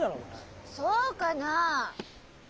そうかなあ？